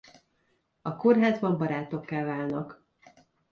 A kórházban barátokká válnak.